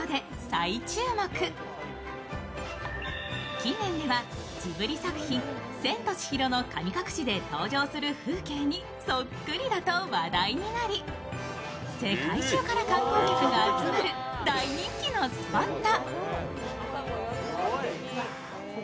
近年ではジブリ作品「千と千尋の神隠し」で登場する風景にそっくりだと話題になり世界中から観光客が集まる大人気のスポット。